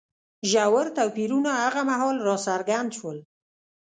ژور توپیرونه هغه مهال راڅرګند شول